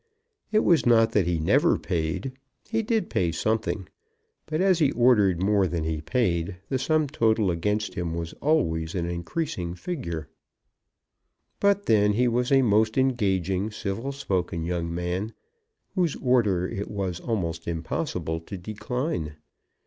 It was not that he never paid. He did pay something; but as he ordered more than he paid, the sum total against him was always an increasing figure. But then he was a most engaging, civil spoken young man, whose order it was almost impossible to decline.